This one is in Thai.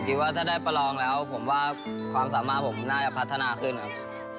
ว่าถ้าได้ประลองแล้วผมว่าความสามารถผมน่าจะพัฒนาขึ้นครับ